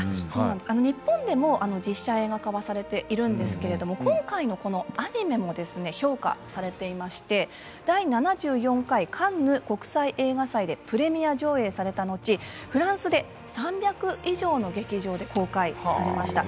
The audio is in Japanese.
日本でも実写映画化されているんですが今回のアニメも評価されていまして第７４回カンヌ国際映画祭でプレミア上映された後フランスで３００以上の劇場で公開されました。